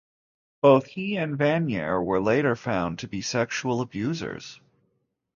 Both he and Vanier were later found to be sexual abusers.